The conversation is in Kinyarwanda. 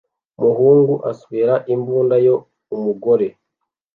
umuhungu aswera imbunda yo umugore